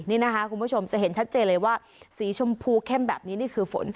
นี่นะคะคุณผู้ชมจะเห็นชัดเจนเลยว่าสีชมพูเข้มแบบนี้นี่คือฝน